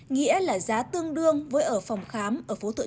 nghĩa là giá tương đương với ở phòng khám ở phố tựa nhuộm